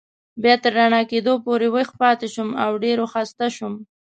بیا تر رڼا کېدو پورې ویښ پاتې شوم او ډېر و خسته شوم.